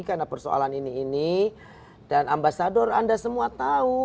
karena persoalan ini ini dan ambasador anda semua tahu